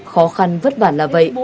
khó khăn vất vả là vậy